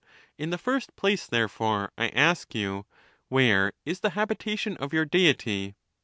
In the first place, therefore, I ask you, Where is the hab itation of your Deity